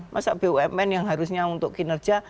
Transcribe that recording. masa bumn yang harusnya untuk kinerja